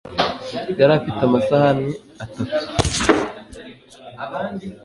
yari afite amasahani atatu